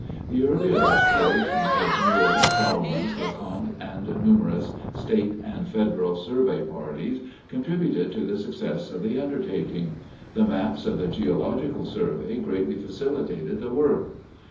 The earlier explorations of Muir, Solomons, LeConte, and numerous state and federal survey parties contributed to the success of the undertaking. The maps of the Geological Survey greatly facilitated the work.